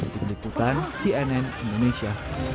dikutan cnn indonesia